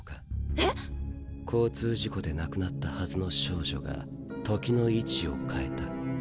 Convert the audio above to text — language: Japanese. えっ⁉交通事故で亡くなったはずの少女が時の位置を変えた。